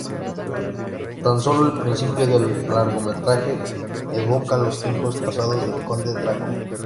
Tan sólo el principio del largometraje evoca los tiempos pasados del Conde Drácula.